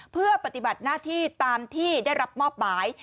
เพื่อปฏิบัติหน้าที่ตามที่ได้รับมอบหมาย